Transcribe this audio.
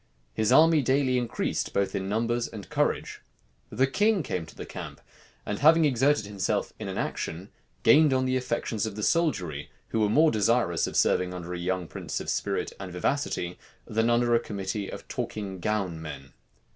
His army daily increased both in numbers and courage. The king came to the camp; and having exerted himself in an action, gained on the affections of the soldiery, who were more desirous of serving under a young prince of spirit and vivacity, than under a committee of talking gown men.